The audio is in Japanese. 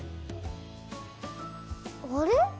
あれ？